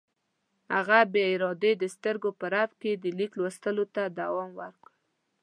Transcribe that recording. هغه بې ارادې د سترګو په رپ کې د لیک لوستلو ته دوام ورکړ.